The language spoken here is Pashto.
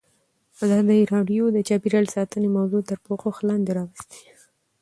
ازادي راډیو د چاپیریال ساتنه موضوع تر پوښښ لاندې راوستې.